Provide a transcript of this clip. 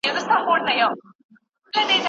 ستا له عطرو سره